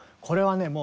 これはね